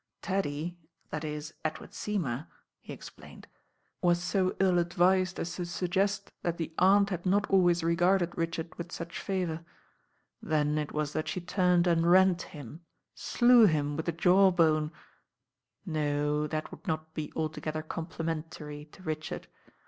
^^ "Teddy, that is, Edward Seymour," he explained, "was so ill advised as to suggest that the Aunt had not always regarded Richard with such favour. Then it was that she turned and rent him, slew him with the jawbone— No, that would not be alto gether complimentary to Richard.